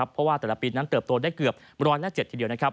เพราะว่าแต่ละปีนั้นเติบโตได้เกือบร้อนหน้าเจ็ดทีเดียว